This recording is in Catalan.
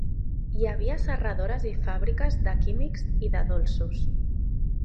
Hi havia serradores i fàbriques de químics i de dolços.